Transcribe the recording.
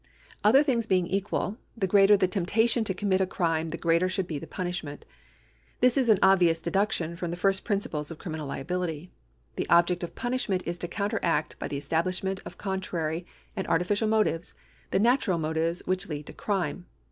Other things being equal, the greater the temptation to commit a crime the greater should be the punishment. This is an obvious deduction from the first princi])les of criminal liability. The object of punish ment is to coiniteract by the establishment of contrary and artificial motives the natural motives which lead to crime.